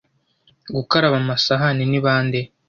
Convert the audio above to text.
Gukaraba amasahani ni bande?